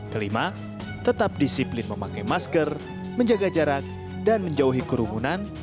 kelima tetap disiplin memakai masker menjaga jarak dan menjauhi kerumunan